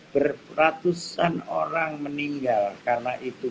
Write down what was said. beratusan orang meninggal karena itu